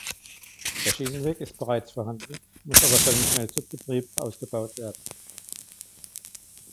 Der Schienenweg ist bereits vorhanden, muss aber für den Schnellzugebetrieb ausgebaut werden.